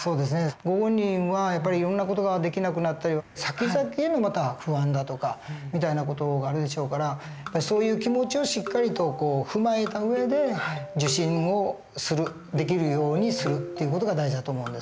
ご本人はやっぱりいろんな事ができなくなったりさきざきへの不安だとかみたいな事があるでしょうからそういう気持ちをしっかりと踏まえた上で受診をするできるようにするっていう事が大事だと思うんです。